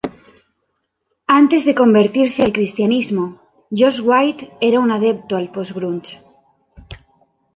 Antes de convertirse al cristianismo, Josh White era un adepto al post-grunge.